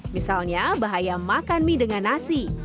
misalnya bahaya makan mie dengan nasi